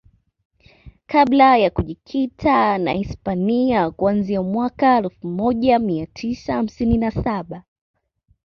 kabla ya kujikita na Hispania kuanzia mwaka elfu moja mia tisa hamsini na saba